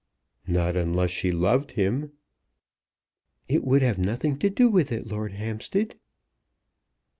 "Not unless she loved him." "It would have nothing to do with it, Lord Hampstead."